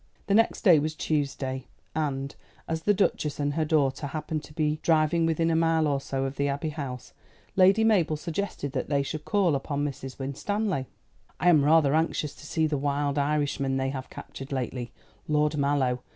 The next day was Tuesday, and, as the Duchess and her daughter happened to be driving within a mile or so of the Abbey House, Lady Mabel suggested that they should call upon Mrs. Winstanley. "I am rather anxious to see the wild Irishman they have captured lately Lord Mallow.